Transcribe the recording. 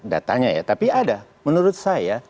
datanya ya tapi ada menurut saya